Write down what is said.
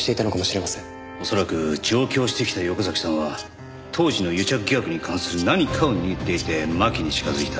恐らく上京してきた横崎さんは当時の癒着疑惑に関する何かを握っていて巻に近づいた。